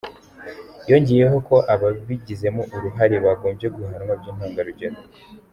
Yongeyeho ko ababigizemo uruhare bagombye guhanwa by'intangarugero.